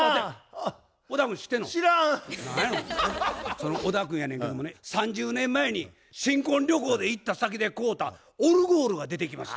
その小田君やねんけどもね３０年前に新婚旅行で行った先で買うたオルゴールが出てきまして。